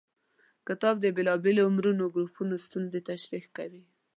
کتاب د بېلابېلو عمر ګروپونو ستونزې تشریح کوي.